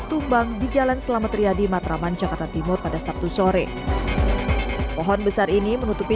tumbang di jalan selamat riyadi matraman jakarta timur pada sabtu sore pohon besar ini menutupi